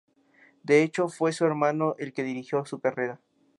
De hecho, fue su hermano el que dirigió su carrera.